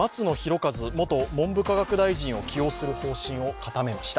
一元文部科学大臣を起用する方針を固めました。